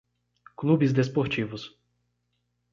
clubes desportivos.